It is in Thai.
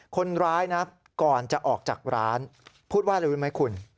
คนร้ายนะก่อนจะออกจากร้านพูดว่าอะไรรู้ไหมคุณ